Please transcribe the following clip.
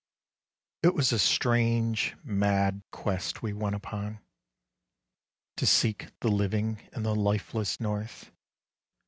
It was a strange, mad quest we went upon, To seek the living in the lifeless north.